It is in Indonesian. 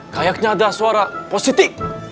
kayaknya ada suara positi